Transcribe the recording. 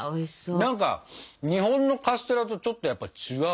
何か日本のカステラとちょっとやっぱ違う。